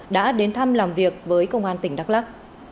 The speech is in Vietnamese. đã đến thăm làm việc với công an tỉnh đắk lắc